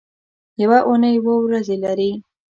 یوه اونۍ اووه ورځې لري